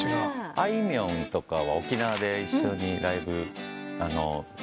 あいみょんとかは沖縄で一緒にライブできましたね。